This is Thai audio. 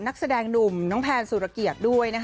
นักแสดงหนุ่มน้องแพนสุรเกียรติด้วย